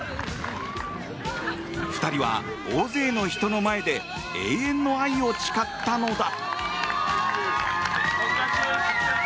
２人は大勢の人の前で永遠の愛を誓ったのだ。